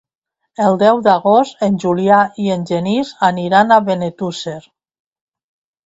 El deu d'agost en Julià i en Genís iran a Benetússer.